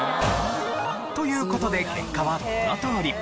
という事で結果はこのとおり。